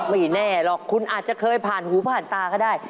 ไม่แน่หรอกคุณอาจจะเคยผ่านหูผ่านตาก็ได้